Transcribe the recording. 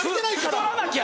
太らなきゃ！